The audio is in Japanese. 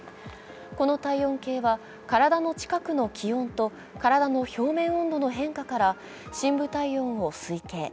この体温計は、体の近くの気温と体の表面温度の変化から、深部体温を推計。